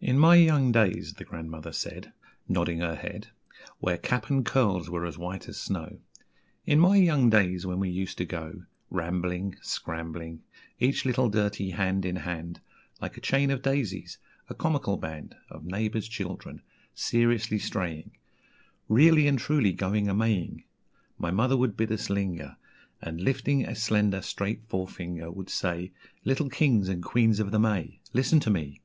"In my young days," the grandmother said (Nodding her head, Where cap and curls were as white as snow), "In my young days, when we used to go Rambling, Scrambling; Each little dirty hand in hand, Like a chain of daisies, a comical band Of neighbours' children, seriously straying, Really and truly going a Maying, My mother would bid us linger, And lifting a slender, straight forefinger, Would say 'Little Kings and Queens of the May, Listen to me!